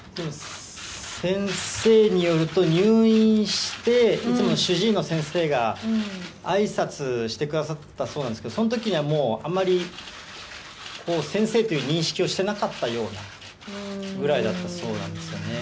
先生によると、入院して、いつも主治医の先生があいさつしてくださったそうなんですけれども、そのときにはもう、あんまり、先生という認識をしてなかったようなぐらいだったそうなんですよね。